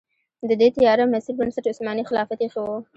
د دې تیاره مسیر بنسټ عثماني خلافت ایښی و.